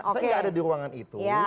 saya nggak ada di ruangan itu